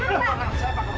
tidak pak kerohun